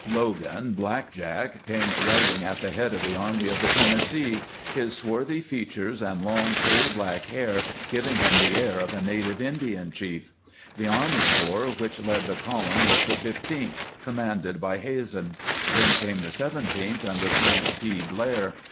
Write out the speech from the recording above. Logan, " Black Jack," came riding at the head of the Army of the Tennessee, his swarthy features and long, coal black hair giving hitn the air of a native Indian chief. The army corps which led the column was the Fifteenth, commanded by Hazen ; then came the Seventeenth, under Frank P. Blair.